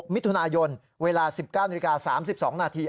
๑๖มิถุนายนเวลา๑๙นิดนาที๓๒นาที